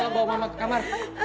bawa mama ke kamar